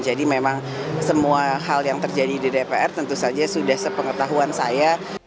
jadi memang semua hal yang terjadi di dpr tentu saja sudah sepengetahuan saya